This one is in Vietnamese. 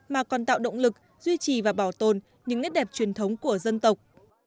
mà còn tạo động lực duy trì và bảo tồn những nét đẹp truyền thống của dân tộc